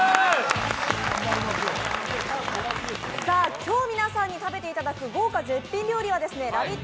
今日皆さんに食べていただく豪華絶品料理はラヴィット！